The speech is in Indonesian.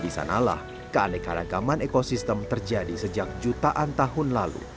disanalah keanekaragaman ekosistem terjadi sejak jutaan tahun lalu